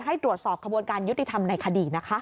ให้ตรวจสอบขบวนการยุติธรรมในคดีนะคะ